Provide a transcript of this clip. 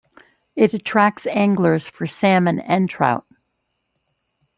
It attracts anglers for salmon and trout.